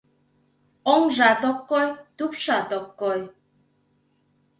Оҥжат ок кой, тупшат ок кой